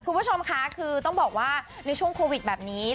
คุณผู้ชมค่ะคือต้องบอกว่าในช่วงโควิดแบบนี้